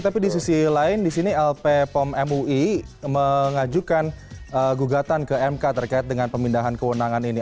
tapi di sisi lain di sini lp pom mui mengajukan gugatan ke mk terkait dengan pemindahan kewenangan ini